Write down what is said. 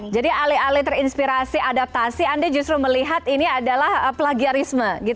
jadi alih alih terinspirasi adaptasi anda justru melihat ini adalah plagiarisme